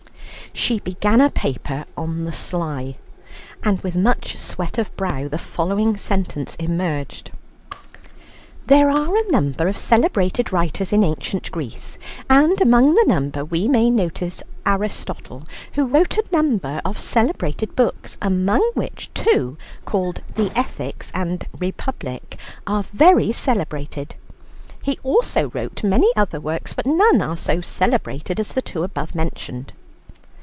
She began a paper on the sly, and with much sweat of brow the following sentence emerged: "There are a number of celebrated writers in ancient Greece, and among the number we may notice Aristotle, who wrote a number of celebrated books, among which two called the 'Ethics' and 'Republic' are very celebrated. He also wrote many other works, but none are so celebrated as the two above mentioned."